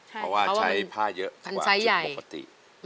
เพราะว่าใช้ผ้าเยอะปกติ